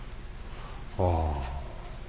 ああ。